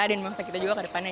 bangsa kita juga ke depannya